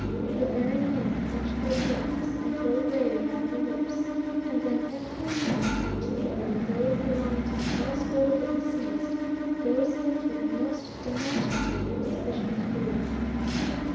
The very men catch their breaths, and grow grey round the lips, and then every one, particularly those belonging to the household of the deceased, goes in for the most demonstrative exhibition of grief.